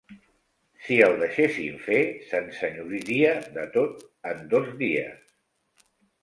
Si el deixessin fer, s'ensenyoriria de tot en dos dies.